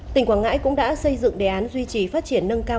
tỉnh quảng ngãi cũng đã xây dựng đề án duy trì phát triển nâng cao